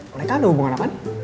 mereka ada hubungan apaan